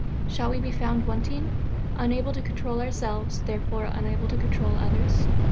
Shall we be found wanting? unable to control ourselves, therefore unable to control others?